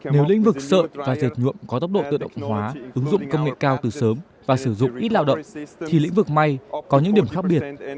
nếu lĩnh vực sợi và dệt nhuộm có tốc độ tự động hóa ứng dụng công nghệ cao từ sớm và sử dụng ít lao động thì lĩnh vực may có những điểm khác biệt